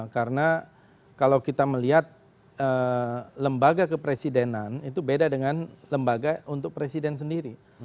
karena kalau kita melihat lembaga kepresidenan itu beda dengan lembaga untuk presiden sendiri